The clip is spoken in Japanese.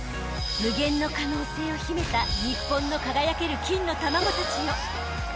［無限の可能性を秘めた日本の輝ける金の卵たちよ］